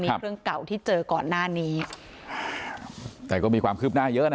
นี่เครื่องเก่าที่เจอก่อนหน้านี้แต่ก็มีความคืบหน้าเยอะนะ